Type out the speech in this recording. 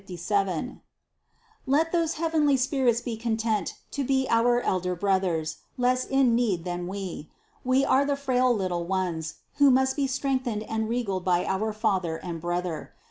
Let those heavenly spirits be content to be our elder brothers, less in need than we. We are the frail little ones, who must be strengthened and regaled by our Father and Brother.